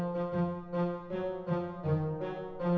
mbak surti kamu sudah berhasil